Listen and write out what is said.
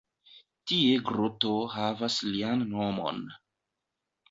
Tie groto havas lian nomon.